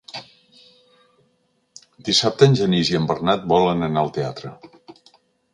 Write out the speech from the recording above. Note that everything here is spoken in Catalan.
Dissabte en Genís i en Bernat volen anar al teatre.